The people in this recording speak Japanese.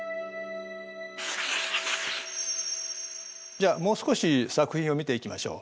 じゃあもう少し作品を見ていきましょう。